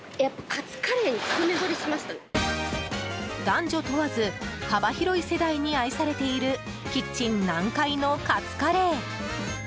男女問わず幅広い世代に愛されているキッチン南海のカツカレー。